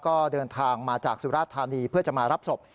ก็เดินทางมาจากสุราธานีเพื่อจะมารับศพ